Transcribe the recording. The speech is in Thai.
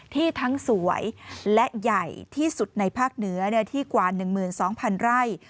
ที่ทั้งสวยและใหญ่ที่สุดในภาคเหนือที่กว่า๑๒๐๐๐ไร่